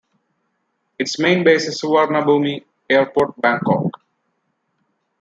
Its main base is Suvarnabhumi Airport, Bangkok.